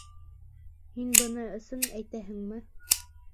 Һин быны ысын әйтәһеңме?